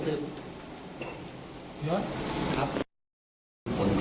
หกสิบล้าน